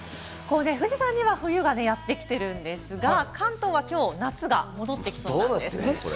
富士山には冬がやってきてるんですが、関東はきょう、夏が戻ってきてます。